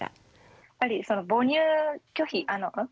やっぱり母乳拒否ん？